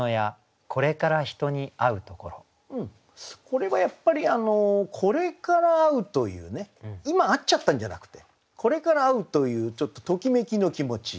これはやっぱり「これから会う」というね今会っちゃったんじゃなくてこれから会うというちょっとときめきの気持ち。